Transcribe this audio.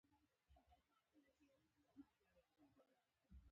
بین الایالتي تجارتي کمېسیون جوړېدو ته یې لار هواره کړه.